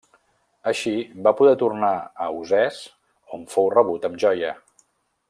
Així, va poder tornar a Usès, on fou rebut amb joia.